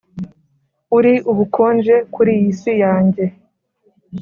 uri ubukonje kuri isi yanjye.